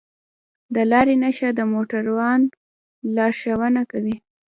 د لارې نښه د موټروان لارښوونه کوي.